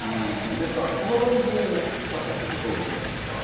ですから、この論文を勝田先生、どう見るかですが。